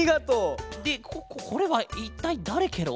でここれはいったいだれケロ？